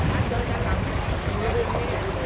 เมื่อเวลาอันดับสุดท้ายมันกลายเป้าหมายมากกว่า